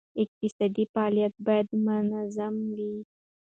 اقتصادي فعالیت باید منظمه وي.